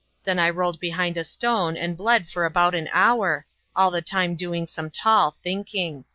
Then I rolled behind a stone and bled for about an hour, all the time doing some tall thinking."